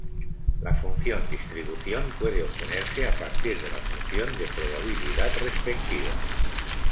La función distribución puede obtenerse a partir de la función de probabilidad respectiva.